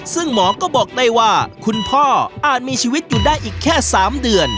ซึ่งหมอก็บอกได้ว่าคุณพ่ออาจมีชีวิตอยู่ได้อีกแค่๓เดือน